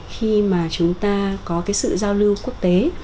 khi mà chúng ta có cái sự giao lưu quốc tế